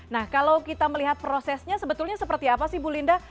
nah kalau kita melihat prosesnya sebetulnya seperti apa sih bu linda